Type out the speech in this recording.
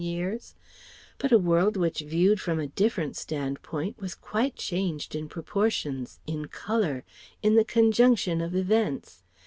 years, but a world which viewed from a different standpoint was quite changed in proportions, in colour, in the conjunction of events.